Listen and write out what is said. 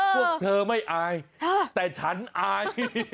พวกเธอไม่อายแต่ฉันอาย